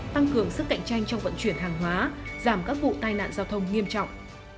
tăng cường sức cạnh tranh trong vận chuyển hàng hóa giảm các vụ tai nạn giao thông nghiêm trọng